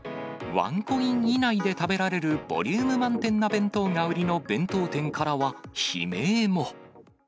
ワンコイン以内で食べられる、ボリューム満点な弁当が売りの弁当店からは、悲鳴も。